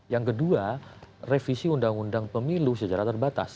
yang memiliki kepentingan yang memaksa pemilu secara terbatas